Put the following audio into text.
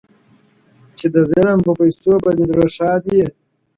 چي د ظلم په پیسو به دي زړه ښاد وي.!